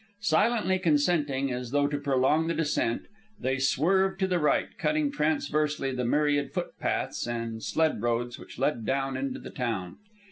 Silently consenting, as though to prolong the descent, they swerved to the right, cutting transversely the myriad foot paths and sled roads which led down into the town.